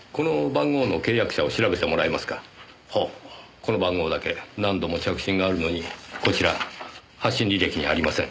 この番号だけ何度も着信があるのにこちら発信履歴にありません。